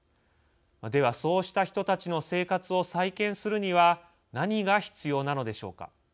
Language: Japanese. では、そうした人たちの生活を再建するには何が必要なのでしょうか。